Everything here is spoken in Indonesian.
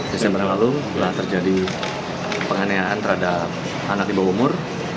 desember yang lalu telah terjadi penganiayaan terhadap anak di bawah umur